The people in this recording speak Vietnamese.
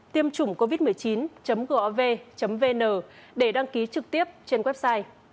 tiêmchủngcovid một mươi chín gov vn để đăng ký trực tiếp trên website